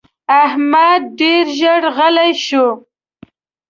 احمد ډېر ژر غلی شو.